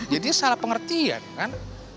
jadinya salah pengertian kan